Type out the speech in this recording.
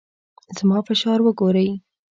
زما فشار وګورئ.